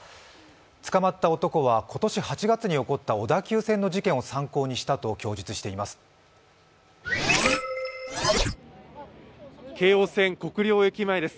捕まった男は今年８月に起こった小田急線の事件を参考にしたと供述しています。